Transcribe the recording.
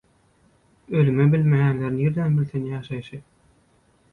Ölümi bilmeýänler nirden bilsin ýaşaýşy?